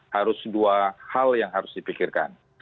harus dua hal yang harus dipikirkan